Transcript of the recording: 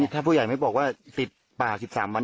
แต่ไม่บอกว่าติดป่า๑๓วัน